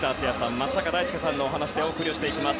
松坂大輔さんのお話でお送りしていきます。